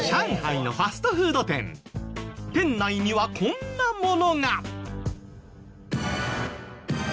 店内にはこんなものが。